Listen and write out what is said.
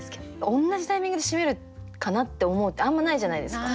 「同じタイミングで閉めるかな」って思うってあんまないじゃないですか。